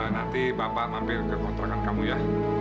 nanti bapak mampir ke kontrakan kamu ya